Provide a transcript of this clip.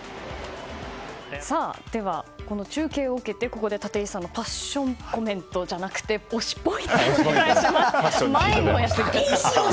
では、この中継を受けてここで立石さんのパッションコメントじゃなくて推しポイントをお願いします。